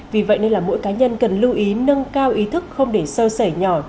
vì vậy nên là mỗi cá nhân cần lưu ý nâng cao ý thức không để sơ sẻ nhỏ